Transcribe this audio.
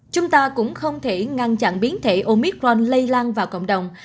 chúng ta cũng không thể ngăn chặn biến thể omicron lây lan vào cộng đồng